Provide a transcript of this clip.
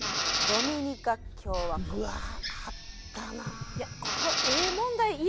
うわっあったなあ！